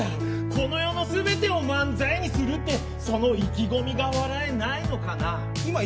この世の全てを漫才にすると、その意気込みが笑えないのかな。